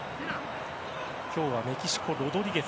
今日はメキシコのロドリゲス